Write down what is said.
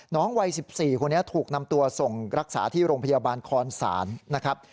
วัย๑๔คนนี้ถูกนำตัวส่งรักษาที่โรงพยาบาลคอนศาลนะครับ